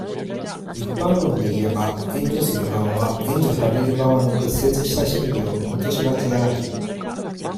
一般論でいえば、援助する側は、援助される側の屈折した心理を見落としがちである。